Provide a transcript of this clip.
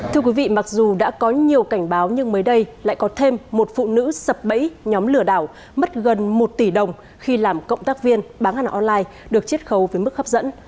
thưa quý vị mặc dù đã có nhiều cảnh báo nhưng mới đây lại có thêm một phụ nữ sập bẫy nhóm lừa đảo mất gần một tỷ đồng khi làm cộng tác viên bán ăn online được chết khấu với mức hấp dẫn